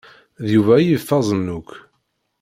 D Yuba i ifazen akk.